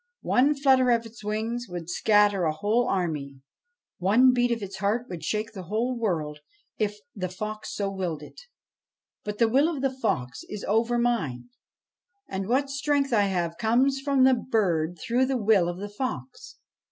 One flutter of its wings would scatter a whole army ; one beat of its heart would shake the whole world if the fox so willed it. But the will of the fox is over mine, and what strength I have comes from the bird through the will of the fox.